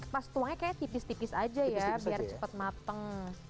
pas tuangnya kayaknya tipis tipis aja ya biar cepat mateng